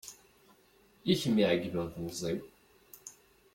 I kem i iɛegben temẓi-w.